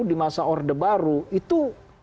di masa orde baru itu